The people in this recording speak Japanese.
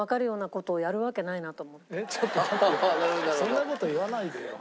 そんな事言わないでよ。